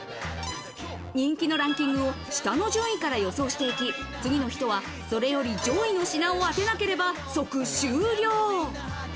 人気のランキングを下の順位から予想して行き、次の人はそれより上位の品を当てなければ即終了。